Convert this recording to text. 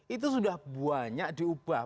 itu sudah banyak diubah